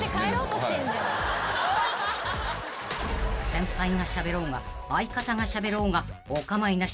［先輩がしゃべろうが相方がしゃべろうがお構いなし］